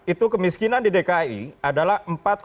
itu kemiskinan di dki adalah